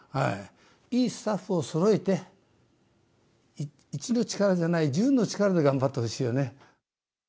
いいスタッフをそろえて、１の力じゃないよね、１０の力で頑張ってほしいよね。